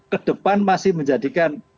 kedepan masih menjadikan